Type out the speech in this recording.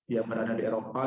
yang berada di eropa